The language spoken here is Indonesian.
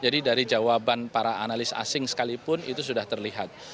dari jawaban para analis asing sekalipun itu sudah terlihat